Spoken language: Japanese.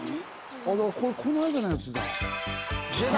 あのこの間のやつだ。